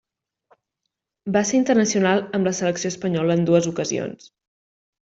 Va ser internacional amb la selecció espanyola en dues ocasions.